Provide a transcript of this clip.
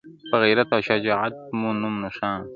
په غیرت او شجاعت مو نوم نښان وو٫